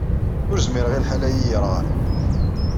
Ur zmireɣ i lḥal-ayyi yerɣan.